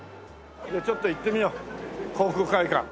ちょっと行ってみよう航空会館。